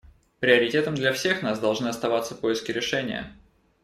Приоритетом для всех нас должны оставаться поиски решения.